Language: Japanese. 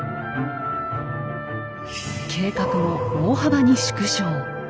計画も大幅に縮小。